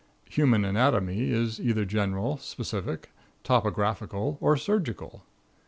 Human anatomy is either general, specific, topographical or surgical.